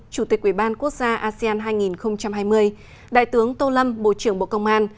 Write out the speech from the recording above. chủ tịch ủy ban quốc gia asean hai nghìn hai mươi đại tướng tô lâm bộ trưởng bộ công an